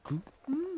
うん。